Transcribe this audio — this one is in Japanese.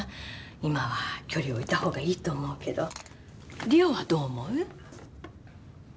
今は距離置いたほうがいいと思うけど梨央はどう思う？